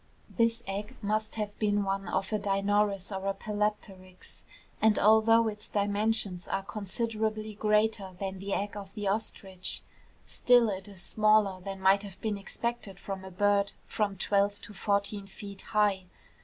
This egg must have been one of a Dinornis or a Palapteryx, and although its dimensions are considerably greater than the egg of the ostrich, still it is smaller than might have been expected from a bird from twelve to fourteen feet high.